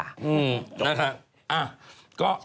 อืมจบ